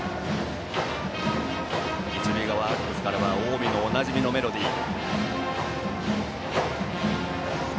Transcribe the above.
一塁側アルプスからは近江のおなじみのメロディー。